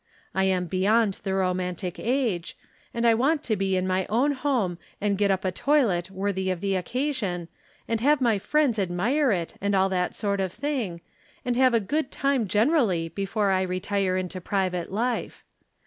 I am be yond the romantic age, and I want to be in my own home and get up a toilet worthy of the oc casion, and have my friends admire it and all that sort of thing, and have a good time gener ally before I retire into private life.